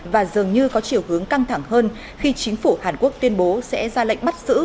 và dường như có chiều hướng căng thẳng hơn khi chính phủ hàn quốc tuyên bố sẽ ra lệnh bắt giữ